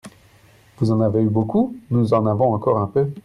Vous en avez eu beaucoup, nous en avons encore un peu.